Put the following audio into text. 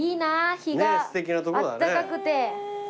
日があったかくて。